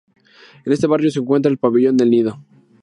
En este barrio se encuentra el pabellón el Nido.